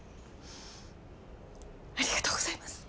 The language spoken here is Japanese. ありがとうございます！